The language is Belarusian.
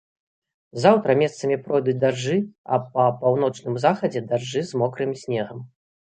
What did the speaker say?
Заўтра месцамі пройдуць дажджы, а па паўночным захадзе дажджы з мокрым снегам.